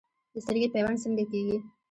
د سترګې پیوند څنګه کیږي؟